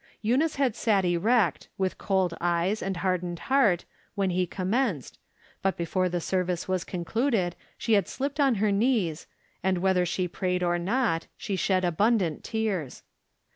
Eunice had sat erect, with cold eyes and hardened heart, when he commenced, but before the service was con cluded she had slipped on her knees, and, whether she prayed or not, she shed abundant tears.